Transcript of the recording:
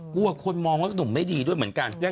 กลัวคนมองว่าหนุ่มไม่ดีด้วยเหมือนกัน